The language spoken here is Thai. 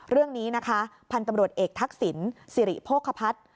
เรื่องนี้นะคะพันธุ์ตำรวจเอกทักษิณสิริโภคพัฒน์